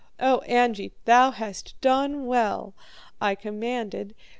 "'O Angeit, thou hast done well,' I commanded.